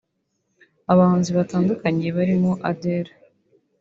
Abahanzi batandukanye barimo Adele